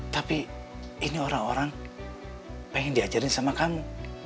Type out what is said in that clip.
tapi ini orang orang pengen diajarin sama kamu